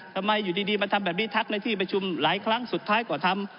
ทำไมอยู่ดีมาทำแบบนี้ทักในที่ประชุมหลายครั้งสุดท้ายกว่าทำ